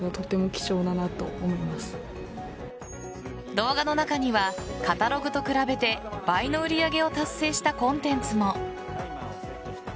動画の中にはカタログと比べて倍の売り上げを達成したコンテンツも。